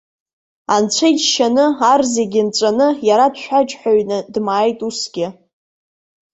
Анцәа иџьшьаны, ар зегьы нҵәаны иара дшәаџьҳәаҩны дмааит усгьы.